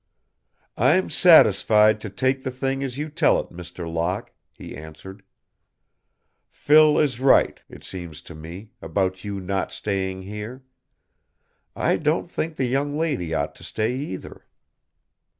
"I'm satisfied to take the thing as you tell it, Mr. Locke," he answered. "Phil is right, it seems to me, about you not staying here. I don't think the young lady ought to stay, either."